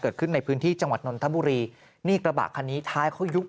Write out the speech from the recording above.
เกิดขึ้นในพื้นที่จังหวัดนนทบุรีนี่กระบะคันนี้ท้ายเขายุบ